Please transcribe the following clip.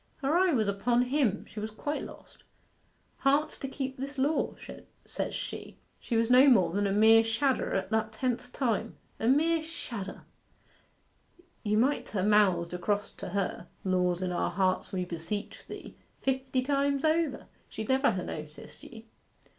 Her eye was upon him she was quite lost "Hearts to keep this law," says she; she was no more than a mere shadder at that tenth time a mere shadder. You mi't ha' mouthed across to her "Laws in our hearts we beseech Thee," fifty times over she'd never ha' noticed ye.